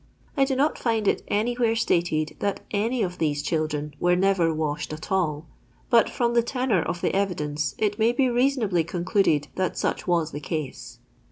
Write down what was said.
I do not find it anywhere stated that any of these children were nerer washed at all ; but from the tenotir of the evi dence it may be reasonably concluded that such was the case.